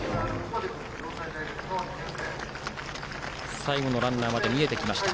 最後のランナーまで見えてきました。